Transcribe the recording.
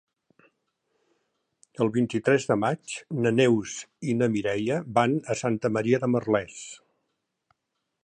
El vint-i-tres de maig na Neus i na Mireia van a Santa Maria de Merlès.